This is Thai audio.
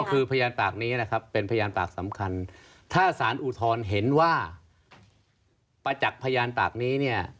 คือพยานปากนี้นะครับเป็นพยานปากสำคัญถ้าสารอุทธรณ์เห็นว่าประจักษ์พยานปากนี้เนี่ย